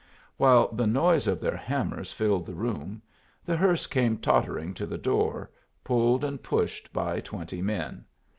While the noise of their hammers filled the room, the hearse came tottering to the door, pulled and pushed by twenty men.